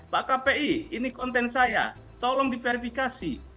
pak kpi ini konten saya tolong di verifikasi